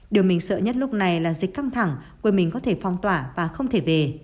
điều mình sợ nhất lúc này là dịch căng thẳng quê mình có thể phong tỏa và không thể về